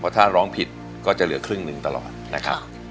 ถ้าร้องผิดก็จะเหลือครึ่งหนึ่งตลอดนะครับ